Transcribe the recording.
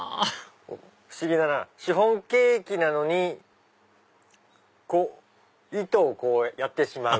不思議だなぁシフォンケーキなのに糸をこうやってしまう。